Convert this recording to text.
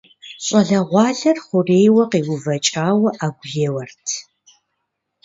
ЩӀалэгъуалэр хъурейуэ къеувэкӀауэ Ӏэгу еуэрт.